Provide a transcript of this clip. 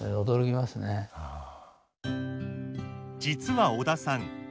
実は小田さん